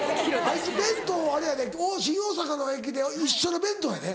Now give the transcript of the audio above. あいつ弁当あれやで新大阪の駅で一緒の弁当やで。